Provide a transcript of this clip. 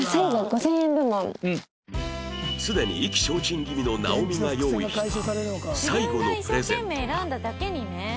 すでに意気消沈気味のナオミが用意した最後のプレゼントが